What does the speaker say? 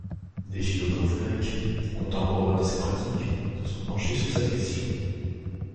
Des philosophes grecs, contemporains de ces pratiques, se sont penchés sur cette question.